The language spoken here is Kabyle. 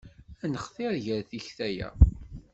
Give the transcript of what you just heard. Ad nextir gar tikta-ya.